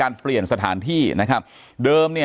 อย่างที่บอกไปว่าเรายังยึดในเรื่องของข้อ